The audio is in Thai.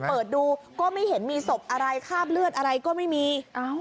เปิดดูก็ไม่เห็นมีศพอะไรคาบเลือดอะไรก็ไม่มี